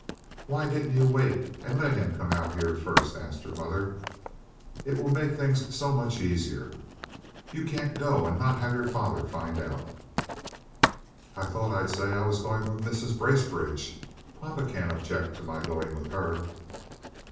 "Why didn't you wait and let him come out here first?" asked her mother. "It will make things so much easier. You can't go and not have your father find out." "I thought I'd say I was going with Mrs. Bracebridge. Papa can't object to my going with her."